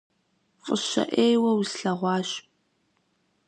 ФӀыщэ Ӏейуэ услъэгъуащ…